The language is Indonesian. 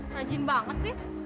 rajin banget sih